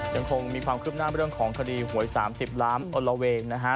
ยังคงมีความคืบหน้าเรื่องของคดีหวย๓๐ล้านอนละเวงนะฮะ